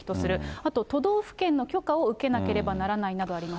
あと、都道府県の許可を受けなければならないなどあります。